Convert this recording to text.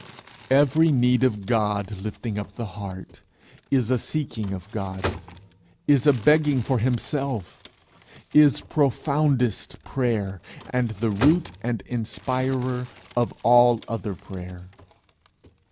Every need of God, lifting up the heart, is a seeking of God, is a begging for himself, is profoundest prayer, and the root and inspirer of all other prayer.